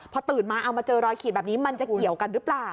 พอตื่นมาเอามาเจอรอยขีดแบบนี้มันจะเกี่ยวกันหรือเปล่า